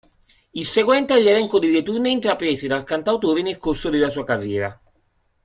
Il seguente è l'elenco delle tournée intraprese dal cantautore nel corso della sua carriera.